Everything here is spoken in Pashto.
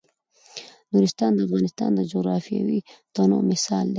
نورستان د افغانستان د جغرافیوي تنوع مثال دی.